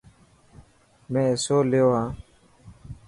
مين حصو ليو هان.